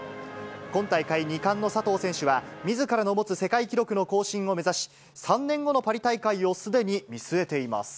今大会２冠の佐藤選手は、みずからの持つ世界記録の更新を目指し、３年後のパリ大会をすでに見据えています。